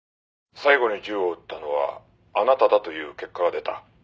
「最後に銃を撃ったのはあなただという結果が出た」